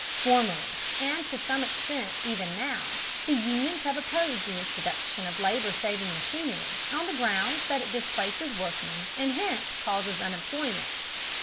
Formerly, and to some extent even now, the unions have opposed the introduction of labor saving machinery on the grounds that it displaces workmen and hence causes unemployment.